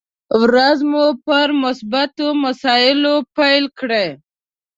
ورځ مو پر مثبتو مسايلو پيل کړئ!